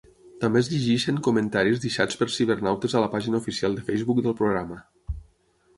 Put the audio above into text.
També es llegeixen comentaris deixats per cibernautes a la pàgina oficial de Facebook del programa.